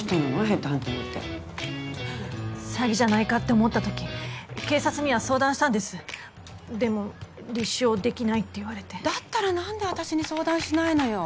ヘッドハンティングって詐欺じゃないかって思った時警察には相談したんですでも立証できないって言われてだったら何で私に相談しないのよ？